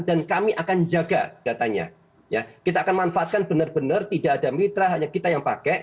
dan kami akan jaga datanya kita akan manfaatkan benar benar tidak ada mitra hanya kita yang pakai